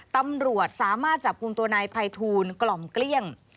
ตำรวจสามารถจับกลุ่มตัวนายภัยทูลกล่อมเกลี้ยง